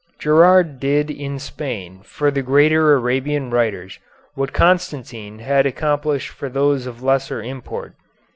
Gerard did in Spain for the greater Arabian writers what Constantine had accomplished for those of lesser import.